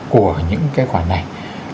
của những cái khoản này